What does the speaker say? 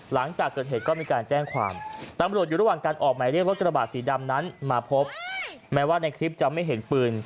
หลังจากเกิดเหตุก็มีการแจ้งความตำรวจอยู่ระหว่างการออกหมายเรียกรถกระบาดสีดำนั้นมาพบแม้ว่าในคลิปจะไม่เห็นปืน